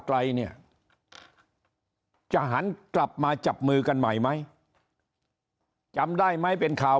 ไกลเนี่ยจะหันกลับมาจับมือกันใหม่ไหมจำได้ไหมเป็นข่าว